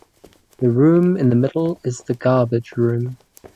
The room in the middle is the garbage room.